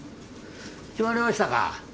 決まりましたか？